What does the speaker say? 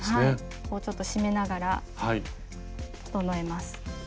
ちょっと締めながら整えます。